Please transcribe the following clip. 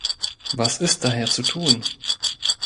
Was ist daher zu tun?